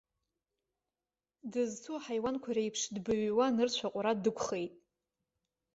Дызцу аҳаиуанқәа реиԥш, дбыҩҩуа, нырцә аҟәара дықәхеит.